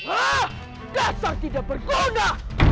ah dasar tidak berguna